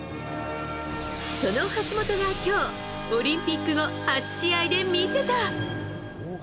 その橋本が今日オリンピック後初試合で見せた。